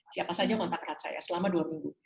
siapa saja kontak erat saya selama dua minggu